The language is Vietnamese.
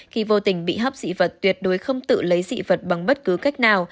khi vô tình bị hấp dị vật tuyệt đối không tự lấy dị vật bằng bất cứ cách nào